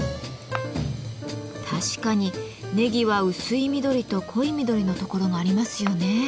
確かにネギは薄い緑と濃い緑のところがありますよね。